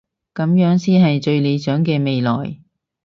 噉樣先係最理想嘅未來